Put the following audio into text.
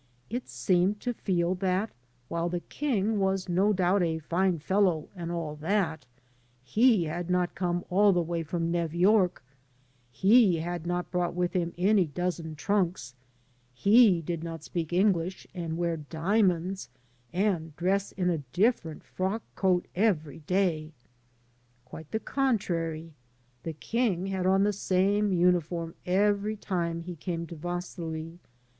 It seemed to feel that while the king was no doubt a fine fellow and all that, he had not come all the way from Nev York, he had not brought with him any dozen trunks, he did not speak English, and wear diamonds, and dress in a different frock coat every day. Quite the contrary: the king had on the same uniform every time he came to Vaslui.